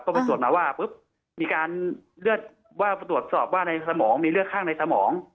ก็ไปตรวจมาว่าปุ๊บมีการเลือดว่าตรวจสอบว่าในสมองมีเลือดข้างในสมอง